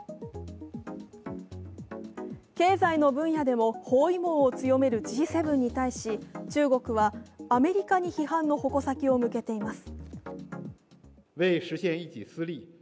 経済の分野でも包囲網を強めるＧ７に対し、中国はアメリカに批判の矛先を向けています。